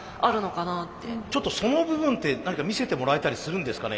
ちょっとその部分って何か見せてもらえたりするんですかね？